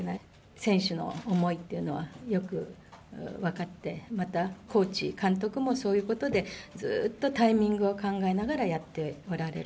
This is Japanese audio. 選手の思いっていうのは、よく分かって、またコーチ、監督もそういうことでずーっとタイミングを考えながらやっておられる。